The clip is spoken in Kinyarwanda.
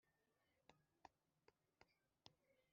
bakenda ize.